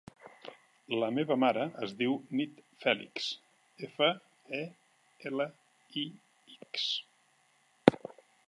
La meva mare es diu Nit Felix: efa, e, ela, i, ics.